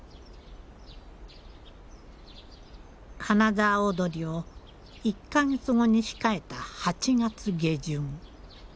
金沢おどりを１か月後に控えた８月下旬。